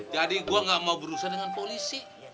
jadi gua gak mau berurusan dengan polisi